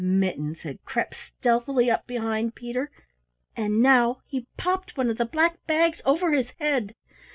Mittens had crept stealthily up behind Peter and now he popped one of the black bags over his head.